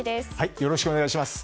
よろしくお願いします。